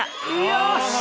よし！